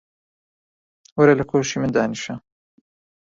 وەرە لە کۆشی من دانیشە.